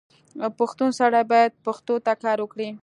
پښتون سړی باید پښتو ته کار وکړي.